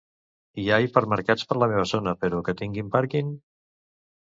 Hi ha hipermercats per la meva zona, però que tinguin pàrquing?